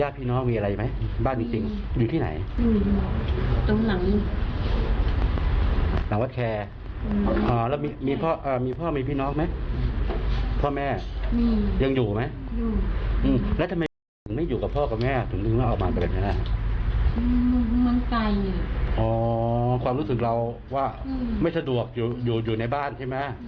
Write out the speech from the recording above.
ความรู้สึกเราว่าไม่สะดวกอยู่ในบ้านใช่ไหม